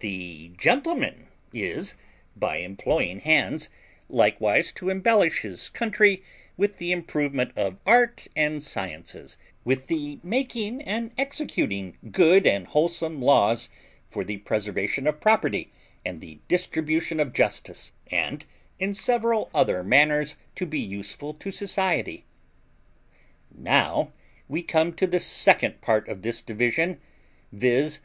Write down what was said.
The gentleman is, by employing hands, likewise to embellish his country with the improvement of art and sciences, with the making and executing good and wholesome laws for the preservation of property and the distribution of justice, and in several other manners to be useful to society. Now we come to the second part of this division, viz.